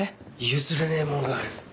「譲れねえもんがある」